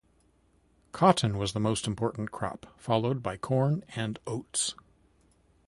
Cotton was the most important crop, followed by corn and oats.